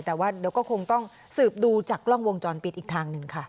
แต่ว่าเดี๋ยวก็คงต้องสืบดูจากกล้องวงจรปิดอีกทางหนึ่งค่ะ